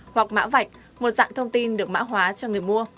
hoặc mã vạch một dạng thông tin được mã hóa cho người mua